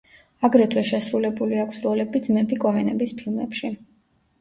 აგრეთვე შესრულებული აქვს როლები ძმები კოენების ფილმებში.